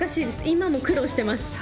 今も苦労してます。